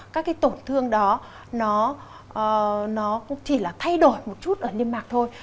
các tổn thương đó nó chỉ là thay đổi một chút ở liên mạc thôi